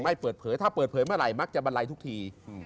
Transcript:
ไม่เปิดเผยถ้าเปิดเผยเมื่อไหร่มักจะบันไลทุกที